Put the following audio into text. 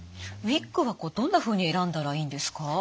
ウイッグはどんなふうに選んだらいいんですか？